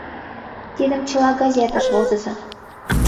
Тидым чыла газетыш возыза.